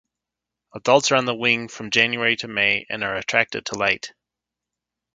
Adults are on the wing from January to May and are attracted to light.